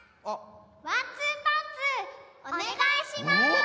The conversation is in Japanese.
おねがいします！